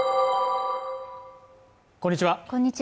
こんにちは